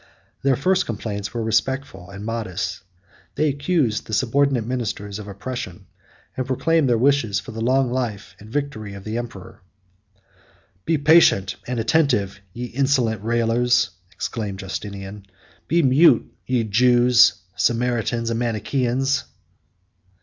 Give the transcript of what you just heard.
Their first complaints were respectful and modest; they accused the subordinate ministers of oppression, and proclaimed their wishes for the long life and victory of the emperor. "Be patient and attentive, ye insolent railers!" exclaimed Justinian; "be mute, ye Jews, Samaritans, and Manichaeans!"